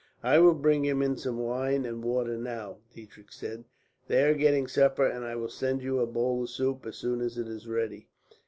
"I will bring you in some wine and water now," Diedrich said. "They are getting supper, and I will send you a bowl of soup, as soon as it is ready."